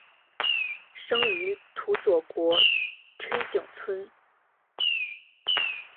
生于土佐国吹井村。